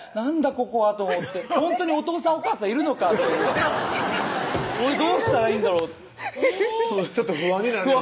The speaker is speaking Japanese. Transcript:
ここはと思ってほんとにおとうさんおかあさんいるのか？と思って俺どうしたらいいんだろうちょっと不安になるよね